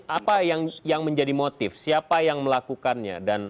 apa yang menjadi motif siapa yang melakukannya